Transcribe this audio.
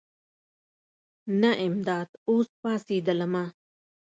نه امدا اوس پاڅېدلمه.